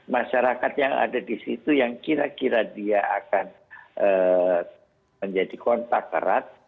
masyarakat yang ada di situ yang kira kira dia akan menjadi kontak erat